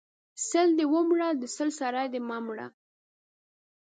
سل دې و مره، د سلو سر دې مه مره!